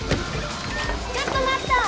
ちょっとまった！